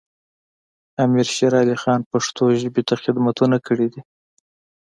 امیر شیر علی خان پښتو ژبې ته خدمتونه کړي دي.